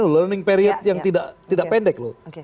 learning period yang tidak pendek loh